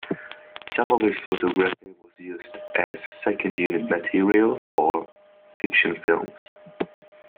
Some of his photography was used as second unit material for fiction films.